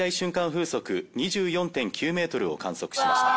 風速２４．９ｍを観測しました